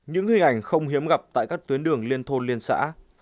những hình ảnh không hiếm gặp tại các tuyến đường liên thôn liên xã